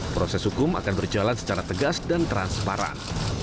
proses hukum akan berjalan secara tegas dan transparan